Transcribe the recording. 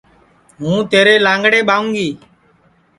ہوں تیرے لانٚگڑے ٻاوں گی